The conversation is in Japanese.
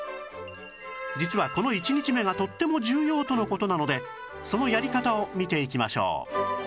実はこの１日目がとっても重要との事なのでそのやり方を見ていきましょう